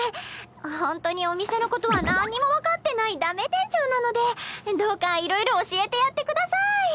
ほんとにお店のことはなんにも分かってないダメ店長なのでどうかいろいろ教えてやってください。